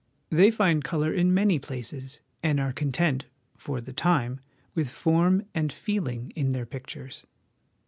They find colour in many places, and are content, for the time, with form and feeling in their pictures.